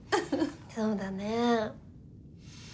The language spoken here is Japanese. そうだね。